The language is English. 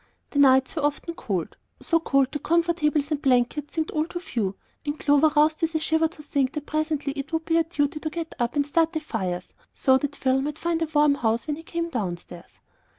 The nights were often cold, so cold that comfortables and blankets seemed all too few, and Clover roused with a shiver to think that presently it would be her duty to get up and start the fires so that Phil might find a warm house when he came downstairs.